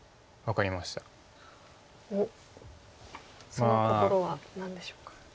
その心は何でしょうか。